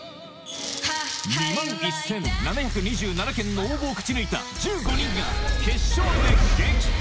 ２万１７２７件の応募を勝ち抜いた１５人が決勝で激突！